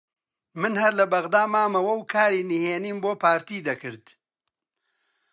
من هەر لە بەغدا مامەوە و کاری نهێنیم بۆ پارتی دەکرد